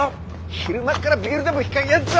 昼間っからビールでもひっかけよっぞ！